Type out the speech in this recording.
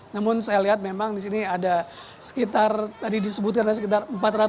namun saya lihat memang di sini ada sekitar tadi disebutkan ada sekitar empat ratus